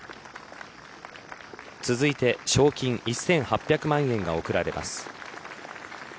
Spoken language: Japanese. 続いて賞金１８００万円が贈られます。